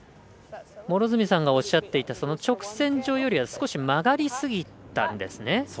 両角さんがおっしゃっていた直線状よりは少し曲がりすぎたんですね。